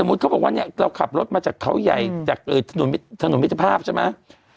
สมมุติเขาบอกว่าเราขับรถมาจากเขาใหญ่จากถนนมิตรภาพใช่ไหม